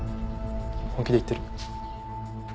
本気で言ってる？